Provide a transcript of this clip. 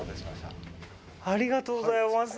ありがとうございます。